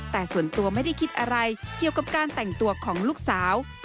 แต่ส่วนตัวไม่ได้คิดอะไรเกี่ยวกับการแต่งตัวของลูกสาว